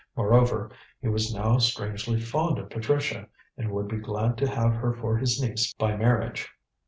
Moreover, he was now strangely fond of Patricia, and would be glad to have her for his niece by marriage.